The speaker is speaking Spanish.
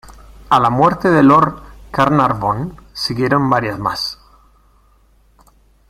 A la muerte de Lord Carnarvon siguieron varias más.